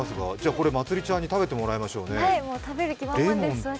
これまつりちゃんに食べてもらいましょうか。